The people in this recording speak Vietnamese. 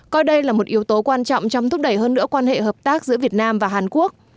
coi đây là một yếu tố quan trọng trong thúc đẩy hơn nữa quan hệ hợp tác giữa việt nam và hàn quốc